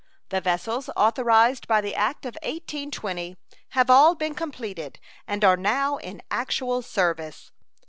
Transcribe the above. The vessels authorized by the act of 1820 have all been completed and are now in actual service.